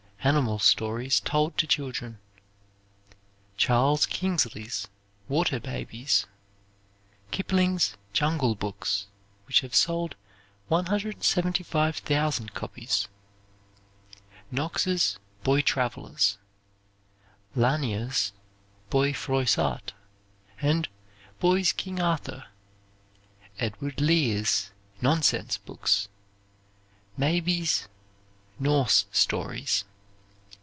Animal stories told to children. Charles Kingsley's "Water Babies." Kipling's "Jungle Books," which have sold 175,000 copies. Knox's "Boy Travelers." Lanier's "Boy Froissart," and "Boy's King Arthur." Edward Lear's "Nonsense Books." Mabie's "Norse Stories."